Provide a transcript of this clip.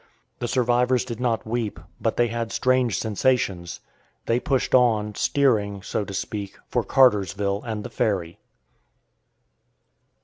The survivors did not weep, but they had strange sensations. They pushed on, steering, so to speak, for Cartersville and the ferry.